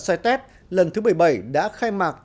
cites lần thứ một mươi bảy đã khai mạc